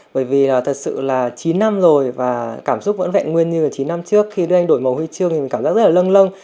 bởi vì thật sự là chín năm rồi và cảm xúc vẫn vẹn nguyên như chín năm trước khi đức anh đổi màu huy chương thì cảm giác rất là lâng lâng